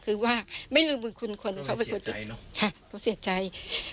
คือว่าไม่ลืมว่าคุ้นเขาเป็นคนที่เขาเศียดใจ